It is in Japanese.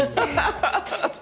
ハハハハッ！